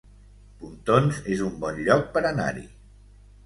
Pontons es un bon lloc per anar-hi